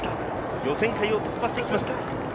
予選会を突破してきました。